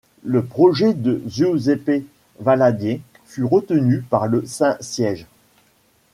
Le projet de Giuseppe Valadier fut retenu par le Saint-Siège.